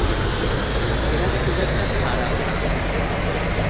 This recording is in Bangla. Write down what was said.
এরা খুব একটা খারাপ না।